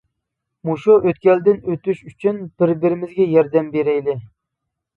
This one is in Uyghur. مۇشۇ ئۆتكەلدىن ئۆتۈش ئۈچۈن بىر بىرىمىزگە ياردەم بېرەيلى.